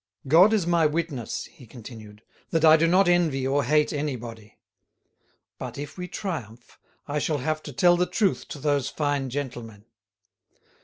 "God is my witness," he continued, "that I do not envy or hate anybody. But if we triumph, I shall have to tell the truth to those fine gentlemen.